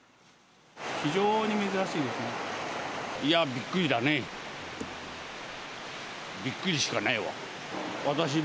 非常に珍しいですね。